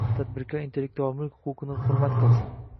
Tadbirkor intellektual mulk huquqini hurmat qilsin